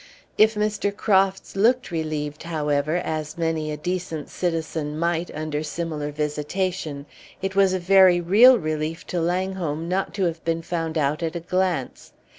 If Mr. Crofts looked relieved, however, as many a decent citizen might under similar visitation, it was a very real relief to Langholm not to have been found out at a glance.